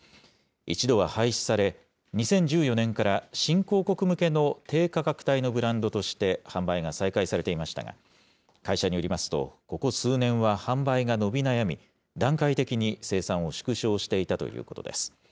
一度は廃止され、２０１４年から新興国向けの低価格帯のブランドとして、販売が再開されていましたが、会社によりますと、ここ数年は販売が伸び悩み、段階的に生産を縮小していたということです。